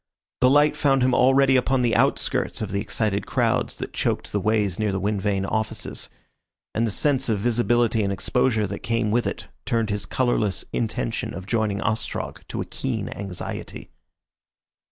The light found him already upon the outskirts of the excited crowds that choked the ways near the wind vane offices, and the sense of visibility and exposure that came with it turned his colourless intention of joining Ostrog to a keen anxiety.